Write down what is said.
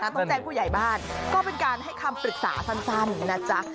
ต้องแจ้งผู้ใหญ่บ้านก็เป็นการให้คำปรึกษาสั้นนะจ๊ะ